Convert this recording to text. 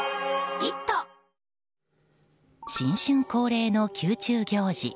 新春恒例の宮中行事